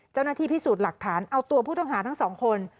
เจ้าหน้าที่พิสูจน์หลักฐานเอาตัวผู้ต้องหาทั้งสองคน